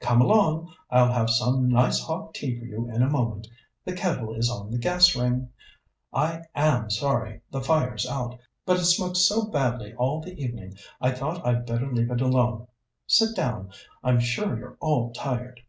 "Come along; I'll have some nice hot tea for you in a moment. The kettle is on the gas ring. I am sorry the fire's out, but it smoked so badly all the evening I thought I'd better leave it alone. Sit down; I'm sure you're all tired."